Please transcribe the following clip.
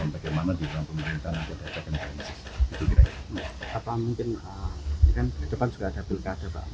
bagaimana di dalam pemerintahan untuk